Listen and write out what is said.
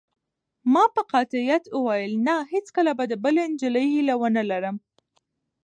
ما په قاطعیت وویل: نه، هیڅکله به د بلې نجلۍ هیله ونه لرم.